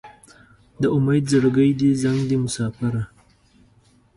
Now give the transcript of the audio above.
د امید زړګی دې زنګ دی مساپره